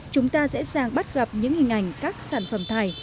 chúng ta dễ dàng bắt gặp những hình ảnh các sản phẩm thải